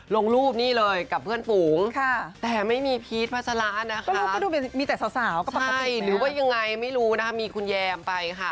ลงรูปนี่เลยกับเพื่อนฝูงค่ะแต่ไม่มีพีชพัชรานะค่ะใช่หรือว่ายังไงไม่รู้นะมีคุณแยมไปค่ะ